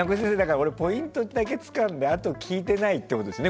俺、ポイントだけつかんで聞いてないってことですよね